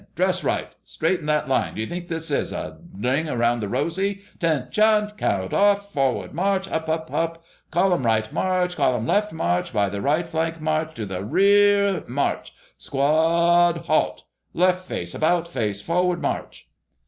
Dress, right! Straighten that line d'you think this is a ring around the rosy? 'Ten shun! Count off! Forwar r rd, march! Hup, hup, hup! Column right, march! Column left, march! By the right flank, march! To the re ar r r, march! Squa a ad, halt! Left, face! About, face! Forward, march!"